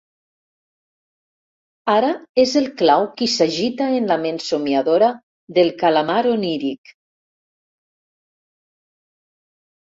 Ara és el clau qui s'agita en la ment somiadora del calamar oníric.